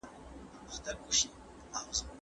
هغوی خپلې زده کړې په نظم سره تکراروي.